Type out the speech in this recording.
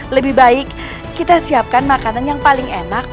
lebih baik kita siapkan makanan yang paling enak